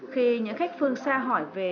khi những khách phương xa hỏi về